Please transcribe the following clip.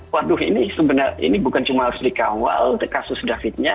waduh ini sebenarnya bukan cuma harus dikawal kasus david nya